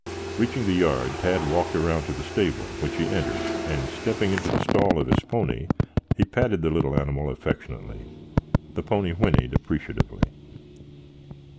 Reaching the yard, Tad walked around to the stable, which he entered, and stepping into the stall of his pony, he patted the little animal affectionately. The pony whinnied appreciatively.